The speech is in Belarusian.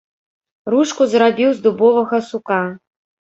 Ручку зрабіў з дубовага сука.